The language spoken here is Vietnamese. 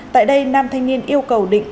tại đây nam thanh niên yêu cầu định